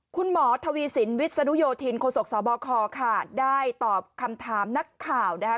คุณหมอทวีสินวิศนุโยธินโคศกสบคค่ะได้ตอบคำถามนักข่าวนะคะ